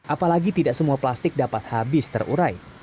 apalagi tidak semua plastik dapat habis terurai